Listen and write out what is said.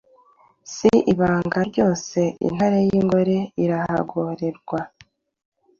si ibanga rwose intare y’ingore irahagorerwa